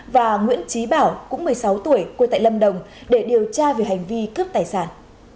và nguyễn trí bảo cũng một mươi sáu tuổi quê tại lâm đồng để điều tra về hành vi cướp tài sản